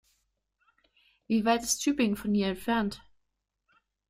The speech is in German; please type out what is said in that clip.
Wie weit ist Tübingen von hier entfernt?